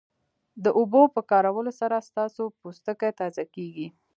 د اوبو په کارولو سره ستاسو پوستکی تازه کیږي